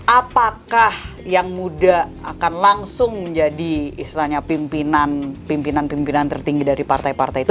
apakah yang muda akan langsung menjadi istilahnya pimpinan pimpinan tertinggi dari partai partai itu